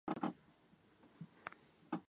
尚旺的总面积为平方公里。